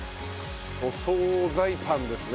お総菜パンですね。